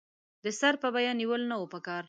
د سر په بیه نېول نه وو پکار.